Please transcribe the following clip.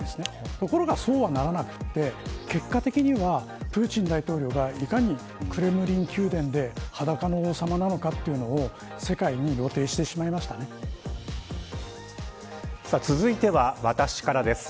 ところがそうはならなくて結果的にはプーチン大統領がいかに、クレムリン宮殿で裸の王様なのかというのを続いては私からです。